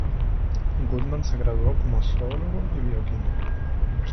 Goodman se graduó como zoólogo y bioquímico.